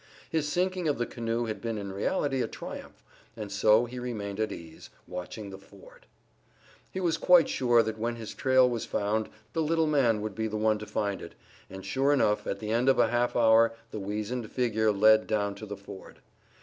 His sinking of the canoe had been in reality a triumph, and so he remained at ease, watching the ford. He was quite sure that when his trail was found the little man would be the one to find it, and sure enough at the end of a half hour the weazened figure led down to the ford.